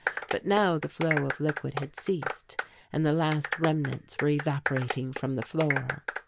But now the flow of liquid had ceased, and the last remnants were evaporating from the floor.